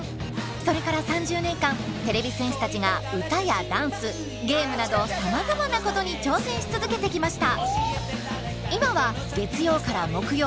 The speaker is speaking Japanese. それから３０年間てれび戦士たちが歌やダンスゲームなどさまざまなことに挑戦し続けてきました。